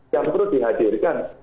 jangan perlu dihadirkan